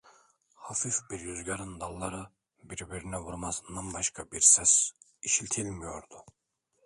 Hafif bir rüzgârın dalları birbirine vurmasından başka bir ses işitilmiyordu.